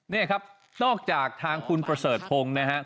นี่ครับนอกจากทางคุณประเสริฐพงศ์นะครับ